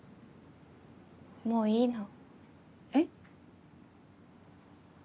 もういいの。え？